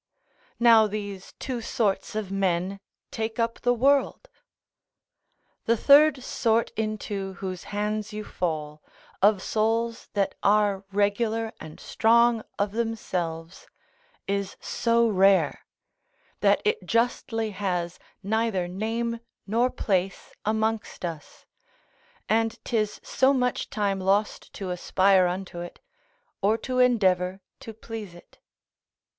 Now these two sorts of men take up the world. The third sort into whose hands you fall, of souls that are regular and strong of themselves, is so rare, that it justly has neither name nor place amongst us; and 'tis so much time lost to aspire unto it, or to endeavour to please it.